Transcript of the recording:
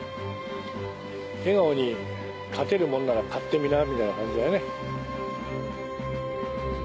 「笑顔に勝てるもんなら勝ってみな」みたいな感じだね。